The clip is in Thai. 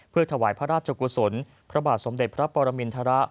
เพื่อถวายพระราชกุศลพระบาทสมเด็จพระปรมินทร